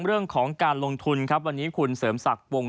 เรื่องของการลงทุนครับวันนี้คุณเสริมศักดิ์วง